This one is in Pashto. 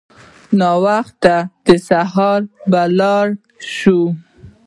ناوخته دی سهار به لاړ شو.